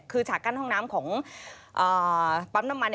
คือฉากกั้นห้องน้ำของปั๊มน้ำมัน